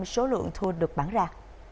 sáu mươi số lượng thu được bán ra